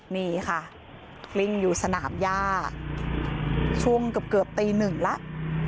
นี่ค่ะกลิ้งอยู่สนามย่าช่วงเกือบเกือบตีหนึ่งแล้ว